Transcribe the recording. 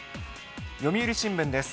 読売新聞です。